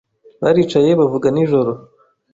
Baricaye bavuga nijoro.